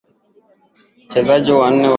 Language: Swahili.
wachezaji wanne wa kiungo na wawili wa mbele